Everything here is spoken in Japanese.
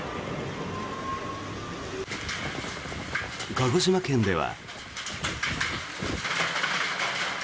鹿児島県では。